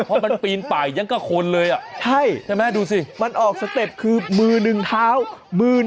เพราะมันปีนหลายยังก็คนเลยมันออกอย่างคือมึนึงท้าวมึ้นส่อง